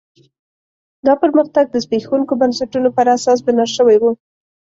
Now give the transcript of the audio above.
دا پرمختګ د زبېښونکو بنسټونو پر اساس بنا شوی و.